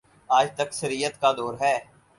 آج تکثیریت کا دور ہے۔